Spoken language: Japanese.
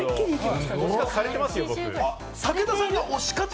推し活されてますよ。